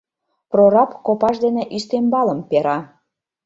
Прораб копаж дене ӱстембалым пера.